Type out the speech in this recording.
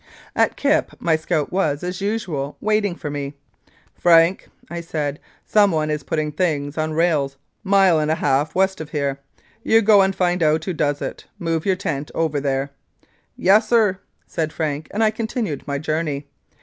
At Kipp my scout was, as usual, waiting for me. "Frank," I said, "someone putting things on rails mile and half west of here. You go and find out who does it. Move your tent over there." "Yassir," said Frank, and I continued my journey.